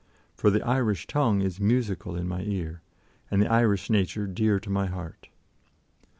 For the Irish tongue is musical in my ear, and the Irish nature dear to my heart.